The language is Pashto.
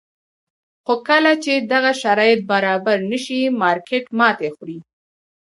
خو کله چې دغه شرایط برابر نه شي مارکېټ ماتې خوري.